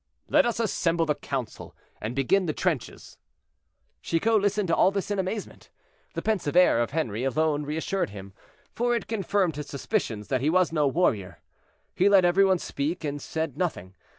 "Let us assemble the council and begin the trenches." Chicot listened to all this in amazement. The pensive air of Henri alone reassured him, for it confirmed his suspicions that he was no warrior. He let every one speak, and said nothing.